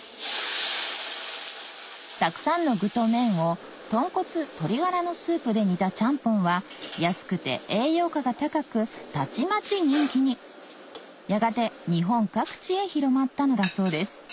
たくさんの具と麺を豚骨鶏がらのスープで煮たちゃんぽんは安くて栄養価が高くたちまち人気にやがて日本各地へ広まったのだそうです